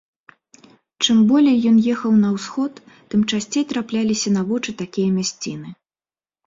Чым болей ён ехаў на ўсход, тым часцей трапляліся на вочы такія мясціны.